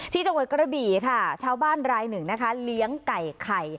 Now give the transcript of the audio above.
จังหวัดกระบี่ค่ะชาวบ้านรายหนึ่งนะคะเลี้ยงไก่ไข่